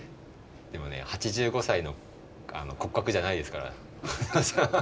でもね８５歳の骨格じゃないですから小澤さん。